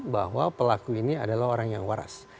bahwa pelaku ini adalah orang yang waras